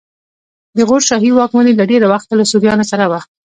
د غور شاهي واکمني له ډېره وخته له سوریانو سره وه